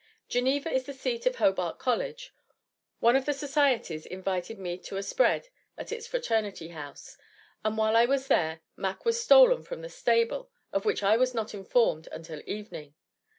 Geneva is the seat of Hobart College. One of the societies invited me to a spread at its fraternity house; and, while I was there, Mac was stolen from the stable, of which I was not informed until evening.